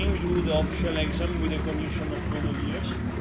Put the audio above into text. setelah latihan kita melakukan eksamen ofisial dengan kondisi gondolier